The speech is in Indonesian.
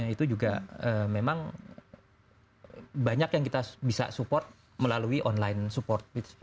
itu juga memang banyak yang kita bisa support melalui online support